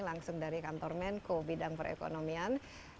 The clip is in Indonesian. langsung dari kantor menko bidang perekonomian